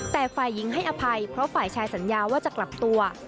แต่ฝ่ายหญิงให้อภัยเพราะฝ่ายชายสัญญาว่าจะกลับตัว